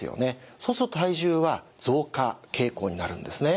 そうすると体重は増加傾向になるんですね。